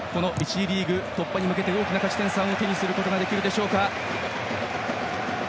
１次リーグ突破に向けて大きな勝ち点３を手にすることができるでしょうか。